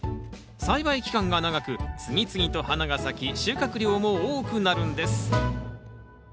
栽培期間が長く次々と花が咲き収穫量も多くなるんです。